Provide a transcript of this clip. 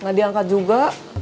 nggak diangkat juga